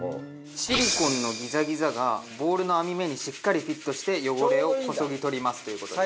シリコンのギザギザがボウルの網目にしっかりフィットして汚れをこそぎ取りますという事です。